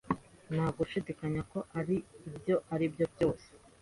Nta gushidikanya ko ibyo ari byo byose